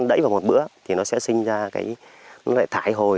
nó đẩy vào một bữa thì nó sẽ sinh ra cái thải hồi